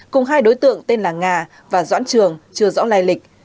cùng hai đối tượng tên là nga và doãn trường chưa rõ lai lịch